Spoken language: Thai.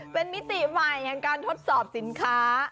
เป็นมิติใหม่แห่งการทดสอบสินค้า